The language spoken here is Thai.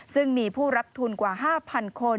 ซึ่งมีผู้รับทุนกว่า๕๐๐คน